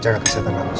jaga kesehatan langsung